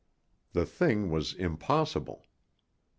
The thing was impossible.